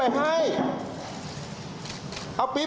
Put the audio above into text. เอาไปเอาไป